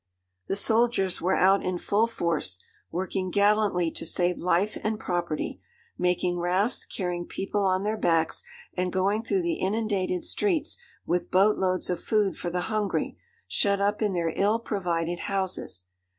The soldiers were out in full force, working gallantly to save life and property; making rafts, carrying people on their backs, and going through the inundated streets with boat loads of food for the hungry, shut up in their ill provided houses.